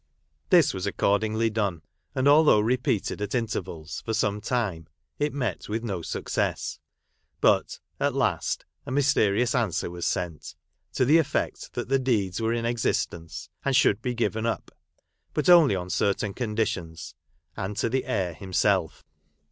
This was accordingly done ; and, although repeated, at intervals, for some time, it met with no suc cess. But, at last, a mysterious answer was sent ; to the effect that the deeds were in existence, and should be given up ; but only on certain conditions, and to the heir himself.